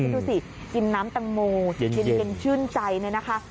ดูสิกินน้ำตังโมเย็นชื่นใจเลยนะคะ